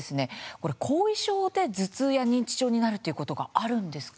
これ後遺症で頭痛や認知症になるっていうことがあるんですか？